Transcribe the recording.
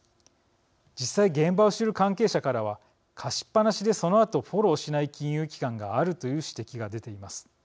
実際、現場を知る関係者からは貸しっぱなしで、そのあとフォローしない金融機関があるという指摘が出ています。